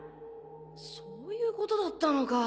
そういうことだったのか。